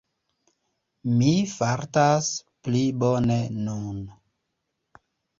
Mi fartas pli bone nun.